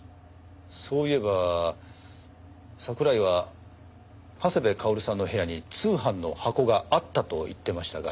そういえば桜井は長谷部薫さんの部屋に通販の箱があったと言ってましたが。